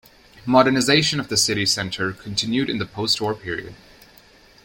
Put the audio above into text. Modernisation of the city centre continued in the post-war period.